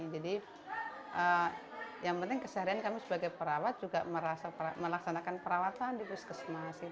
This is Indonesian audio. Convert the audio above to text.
jadi yang penting keseharian kami sebagai perawat juga melaksanakan perawatan di puskesmas